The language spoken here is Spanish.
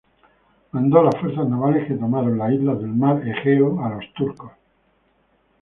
Mandó las fuerzas navales que tomaron las islas del mar Egeo a los turcos.